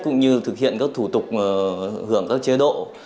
cũng như thực hiện các thủ tục hưởng các chế độ